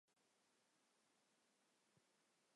弗里德曼环形山是月球背面的一座撞击坑残迹。